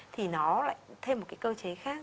thì nó lại thêm một cơ chế khác